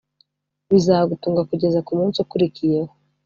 bizagutunga kugeza ku munsi ukurikiyeho